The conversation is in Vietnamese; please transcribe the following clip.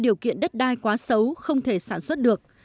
điều kiện đất đai quá xấu không thể sản xuất được